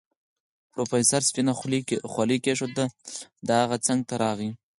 پروفيسر سپينه خولۍ کېښوده د هغه څنګ ته راغی.